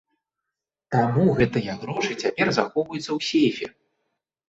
Таму гэтыя грошы цяпер захоўваюцца ў сейфе.